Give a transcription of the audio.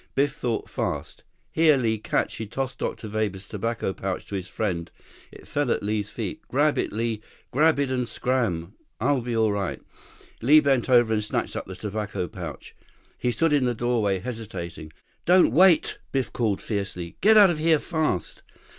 Biff thought fast. "Here, Li! Catch!" He tossed Dr. Weber's tobacco pouch to his friend. It fell at Li's feet. "Grab it, Li! Grab it, and scram. I'll be all right." Li bent over and snatched up the tobacco pouch. He stood in the doorway, hesitating. "Don't wait!" Biff called fiercely. "Get out of here fast."